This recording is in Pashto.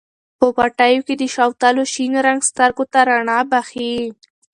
په پټیو کې د شوتلو شین رنګ سترګو ته رڼا بښي.